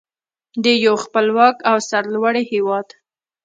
د یو خپلواک او سرلوړي هیواد.